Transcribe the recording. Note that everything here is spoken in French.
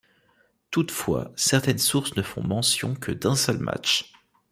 Toutefois, certaines sources ne font mention que d'un seul match.